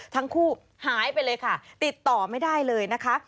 ทั้งคู่หายไปเลยค่ะติดต่อไม่ได้เลยนะคะ